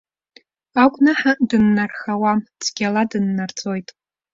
Агәнаҳа дыннархауам, цәгьала дыннарҵәоит.